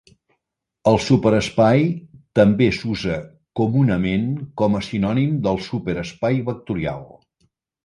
El superespai també s'usa comunament com a sinònim del super espai vectorial.